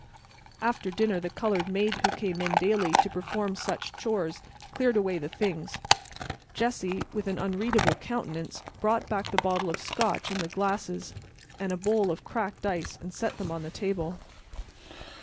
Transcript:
After dinner the colored maid who came in daily to perform such chores cleared away the things. Jessie, with an unreadable countenance, brought back the bottle of Scotch and the glasses and a bowl of cracked ice and set them on the table.